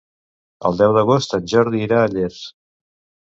El deu d'agost en Jordi irà a Llers.